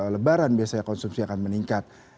lebaran biasanya konsumsi akan meningkat